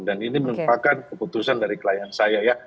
dan ini merupakan keputusan dari klien saya ya